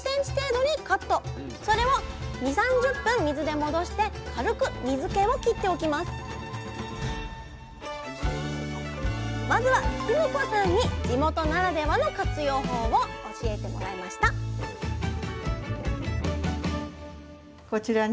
それをまずは絹子さんに地元ならではの活用法を教えてもらいましたこちらに